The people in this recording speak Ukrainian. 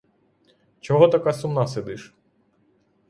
Чого така сумна сидиш?